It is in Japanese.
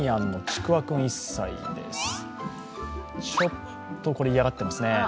ちょっと嫌がってますね。